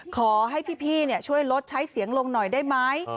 ขอให้พี่ช่วยลดใช้เสียงลงหน่อยได้ไหม